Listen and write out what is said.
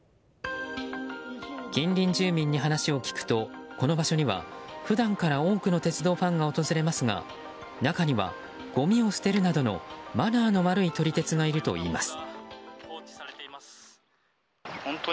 近隣住民に話を聞くとこの場所には普段から多くの鉄道ファンが訪れますが中には、ごみを捨てるなどのマナーの悪い撮り鉄がいるといいます。